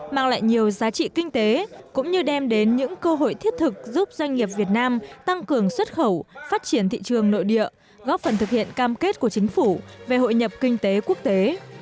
mang lại nhiều giá trị kinh tế cũng như đem đến những cơ hội thiết thực giúp doanh nghiệp việt nam tăng cường xuất khẩu phát triển thị trường nội địa góp phần thực hiện cam kết của chính phủ về hội nhập kinh tế quốc tế